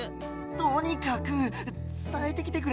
とにかくつたえてきてくれ。